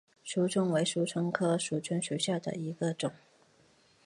蜍蝽为蜍蝽科蜍蝽属下的一个种。